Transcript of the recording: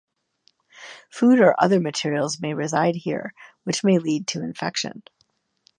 Food or other materials may reside here, which may lead to infection.